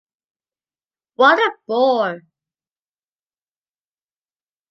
What a bore!